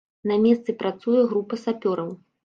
На месцы працуе група сапёраў.